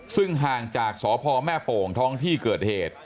ซึ่งห่างจากสพแม่โป่งท้องที่เกิดเหตุ